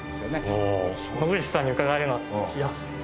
野口さんに伺えるなんて。